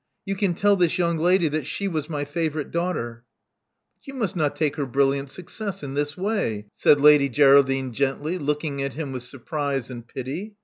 You can tell this young lady that she was my favorite daughter." But you must not take her brilliant success in this way,*' said Lady Geraldine gently, looking at him with surprise and pity.